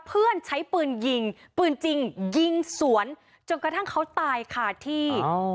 ปืนจริงยิงสวนจนกระทั่งเขาตายขาดที่